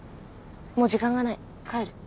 もう時間がない。